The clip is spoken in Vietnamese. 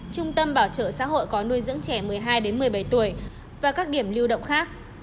trung tâm bảo trợ xã hội có nuôi dưỡng trẻ một mươi hai một mươi bảy tuổi và các điểm lưu động khác